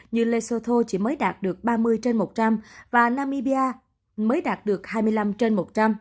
như lê soto chỉ mới đạt được ba mươi trên một trăm linh và namibia mới đạt được hai mươi năm trên một trăm linh